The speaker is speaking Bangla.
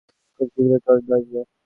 খুব শীঘ্রই টর্নেডো আসবে।